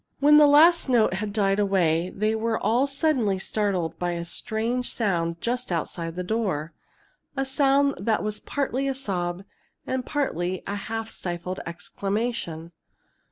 When the last note had died away, they were all suddenly startled by a strange sound just outside the door a sound that was partly a sob and partly a half stifled exclamation.